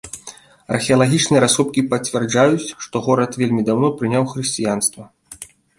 Археалагічныя раскопкі пацвярджаюць, што горад вельмі даўно прыняў хрысціянства.